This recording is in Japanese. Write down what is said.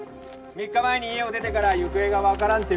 ３日前に家を出てから行方がわからんという事で。